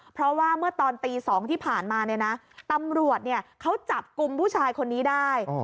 เพราะว่าเมื่อตอนตี๒ที่ผ่านมาเนี่ยนะตำรวจเขาจับกลุ่มผู้ชายคนนี้ได้